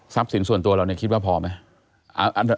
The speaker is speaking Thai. สินส่วนตัวเราคิดว่าพอไหม